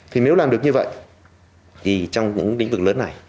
thì nếu làm được như vậy thì trong những lĩnh vực lớn này